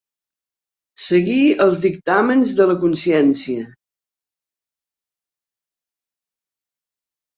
Seguir els dictàmens de la consciència.